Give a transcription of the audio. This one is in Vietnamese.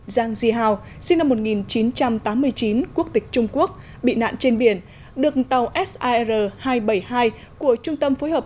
giang di hao sinh năm một nghìn chín trăm tám mươi chín quốc tịch trung quốc bị nạn trên biển được tàu sir hai trăm bảy mươi hai của trung tâm phối hợp